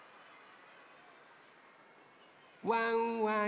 ・ワンワン